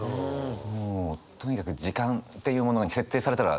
もうとにかく時間っていうものに設定されたらめっちゃ焦ります。